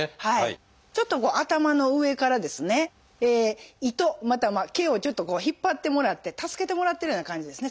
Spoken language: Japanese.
ちょっとこう頭の上からですね糸または毛をちょっと引っ張ってもらって助けてもらってるような感じですね。